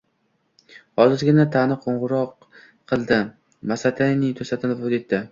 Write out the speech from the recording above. Hozirgina Tani qo`ng`iroq kildi Masatane to`satdan vafot etdi